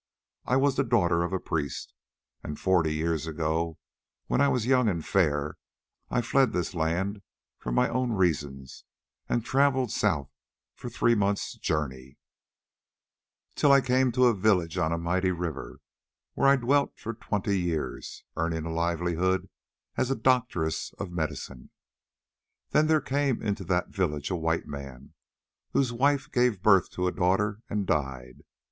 I was the daughter of a priest, and forty years ago, when I was young and fair, I fled this land for my own reasons, and travelled south for three months' journey, till I came to a village on a mighty river, where I dwelt for twenty years earning a livelihood as a doctoress of medicine. Then there came into that village a white man, whose wife gave birth to a daughter and died.